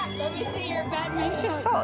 そう。